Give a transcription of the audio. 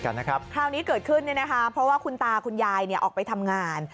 คราวนี้เกิดขึ้นเนี่ยนะคะเพราะว่าคุณตาคุณยายออกไปทำงาน